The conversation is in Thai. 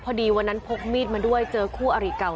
พอดีวันนั้นพกมีดมาด้วยเจอคู่อริเก่า